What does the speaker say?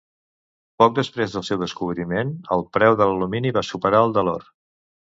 Poc després del seu descobriment, el preu de l'alumini va superar el de l'or.